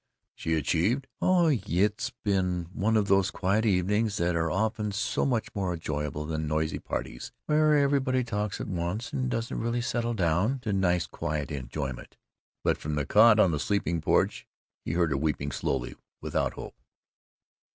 She achieved, "Oh, it's just been one of those quiet evenings that are often so much more enjoyable than noisy parties where everybody talks at once and doesn't really settle down to nice quiet enjoyment." But from his cot on the sleeping porch he heard her weeping, slowly, without hope.